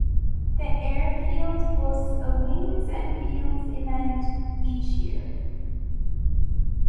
The airfield hosts a Wings and Wheels event each year.